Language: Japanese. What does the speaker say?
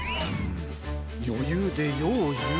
よゆうでよういう。